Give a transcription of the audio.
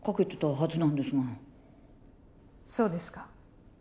そうですか。